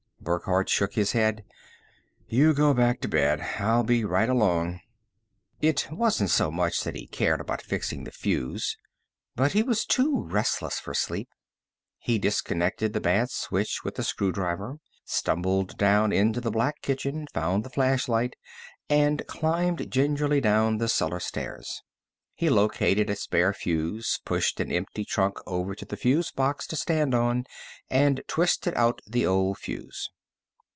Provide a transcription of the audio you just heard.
Burckhardt shook his head. "You go back to bed. I'll be right along." It wasn't so much that he cared about fixing the fuse, but he was too restless for sleep. He disconnected the bad switch with a screwdriver, stumbled down into the black kitchen, found the flashlight and climbed gingerly down the cellar stairs. He located a spare fuse, pushed an empty trunk over to the fuse box to stand on and twisted out the old fuse.